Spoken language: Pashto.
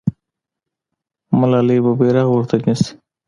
ملالۍ به بیرغ ورته نیسي.